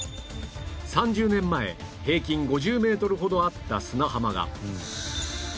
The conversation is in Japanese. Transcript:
３０年前平均５０メートルほどあった砂浜が